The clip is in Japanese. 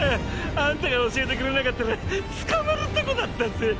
アンタが教えてくれなかったら捕まるとこだったぜぇ！